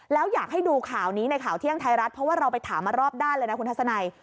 แล้วอยากให้ดูข่าวนี้ในข่าวเที่ยงไทยรัฐเพราะว่าเราไปถามมารอบด้านเลยนะคุณทัศนัย